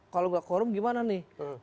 kalau tidak korum gimana nih